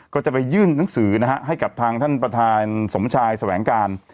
ก็จะไปยื่นหนังสือให้กับทางประธานสมชายทำการ